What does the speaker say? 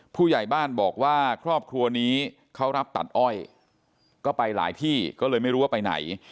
ผู้ใหญ่บ้านบอกว่าครอบครัวนี้เขารับตัดอ้อยก็ไปหลายที่ก็เลยไม่รู้ว่าไปไหน